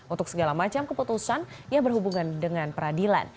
untuk segala macam keputusan yang berhubungan dengan peradilan